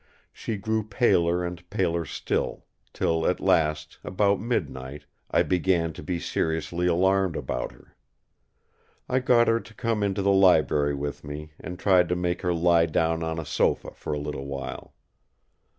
She grew paler and paler still; till at last about midnight, I began to be seriously alarmed about her. I got her to come into the library with me, and tried to make her lie down on a sofa for a little while.